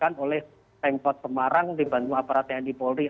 diangkat oleh tengkot semarang di bandung aparat tni polri